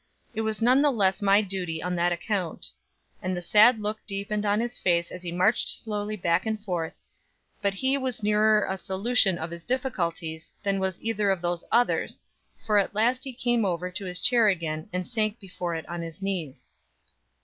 It was none the less my duty on that account." And the sad look deepened on his face as he marched slowly back and forth; but he was nearer a solution of his difficulties than was either of those others for at last he came over to his chair again, and sank before it on his knees.